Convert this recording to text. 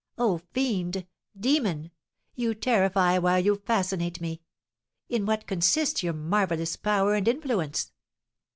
"Oh, fiend! demon! You terrify while you fascinate me! In what consists your marvellous power and influence?"